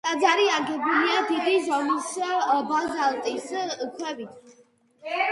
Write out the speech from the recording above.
ტაძარი აგებულია დიდი ზომის ბაზალტის ქვებით.